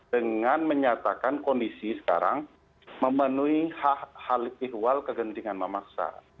dengan menyatakan kondisi sekarang memenuhi hal pihwal kegentingan mamaksa